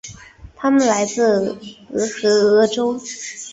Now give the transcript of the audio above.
他们来自俄亥俄州。